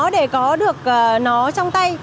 để có được nó trong tay